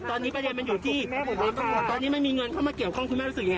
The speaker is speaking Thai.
สุดท้ายอยากให้สังคมไม่ได้อยากให้สังคมไม่ได้ครับแม่